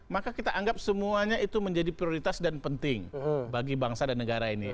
maka kita anggap semuanya itu menjadi prioritas dan penting bagi bangsa dan negara ini